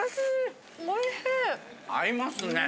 合いますね。